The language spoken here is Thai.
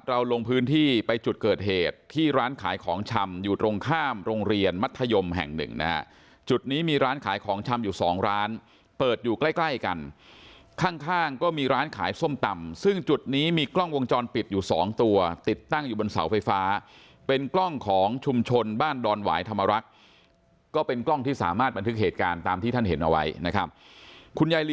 ที่เราลงพื้นที่ไปจุดเกิดเหตุที่ร้านขายของชำอยู่ตรงข้ามโรงเรียนมัธยมแห่งหนึ่งนะจุดนี้มีร้านขายของชำอยู่๒ร้านเปิดอยู่ใกล้กันข้างก็มีร้านขายส้มตำซึ่งจุดนี้มีกล้องวงจรปิดอยู่๒ตัวติดตั้งอยู่บนเสาไฟฟ้าเป็นกล้องของชุมชนบ้านดอนหวายธรรมรักษ์ก็เป็นกล้องที่สามารถบันทึกเหตุ